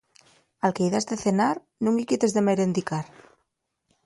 Al que-y has dar de cenar, nun-y quites de merendicar.